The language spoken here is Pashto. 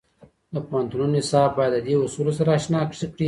د پوهنتونو نصاب باید د دې اصولو سره اشنا کړي.